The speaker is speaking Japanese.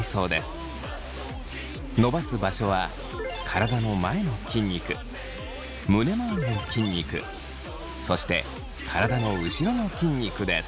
伸ばす場所は体の前の筋肉胸まわりの筋肉そして体の後ろの筋肉です。